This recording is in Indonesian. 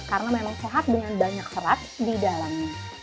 karena memang sehat dengan banyak serat di dalamnya